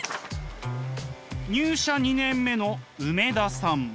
入社２年目の梅田さん。